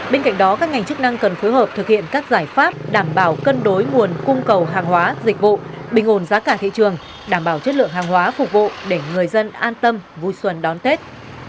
bên cạnh đó các ngành chức năng cần phối hợp thực hiện các giải pháp đảm bảo cân đối nguồn cung cầu hàng hóa dịch vụ bình ổn giá cả thị trường đảm bảo chất lượng hàng hóa phục vụ để người dân an tâm vui xuân đón tết